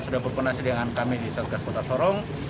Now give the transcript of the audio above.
sudah berkoneksi dengan kami di satgas kota sorong